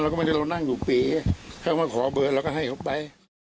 แล้วก็ไม่ได้เรานั่งอยู่เป๋แค่มาขอเบอร์เราก็ให้เขาไป